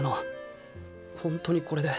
ほんとにこれで。